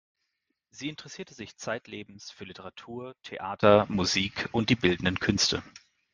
Sie interessierte sich zeitlebens für Literatur, Theater, Musik und die bildenden Künste.